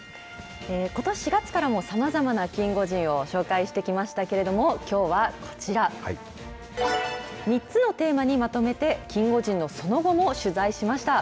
ことし４月からも、さまざまなキンゴジンを紹介してきましたけれども、きょうはこちら、３つのテーマにまとめて、キンゴジンのその後も取材しました。